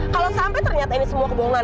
kalau sampai ternyata ini semua kebohongan